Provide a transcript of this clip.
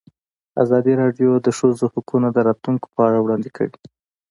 ازادي راډیو د د ښځو حقونه د راتلونکې په اړه وړاندوینې کړې.